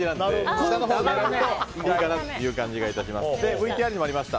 ＶＴＲにもありました